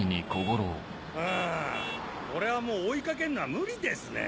あぁこれはもう追い掛けるのは無理ですね。